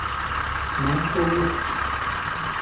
Maxue vuxhu!